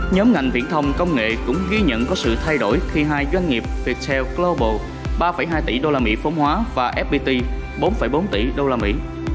nhóm ngành viễn thông công nghệ cũng ghi nhận có sự thay đổi khi hai doanh nghiệp viettel global ba hai tỷ đô la mỹ phẩm hóa và fpt bốn bốn tỷ đô la mỹ